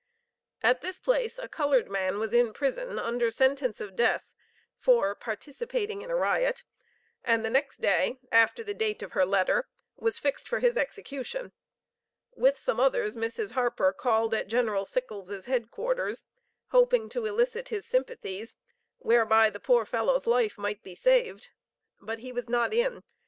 At this place a colored man was in prison under sentence of death for "participating in a riot;" and the next day (after the date of her letter) was fixed for his execution. With some others, Mrs. Harper called at General Sickles' Head Quarters, hoping to elicit his sympathies whereby the poor fellow's life might be saved; but he was not in.